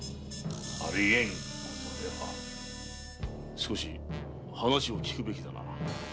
少し話を訊くべきだな。